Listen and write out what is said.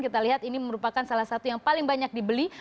kita lihat ini merupakan salah satu yang paling banyak dibeli